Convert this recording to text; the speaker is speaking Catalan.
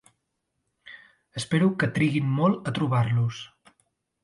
Espero que triguin molt a trobar-los.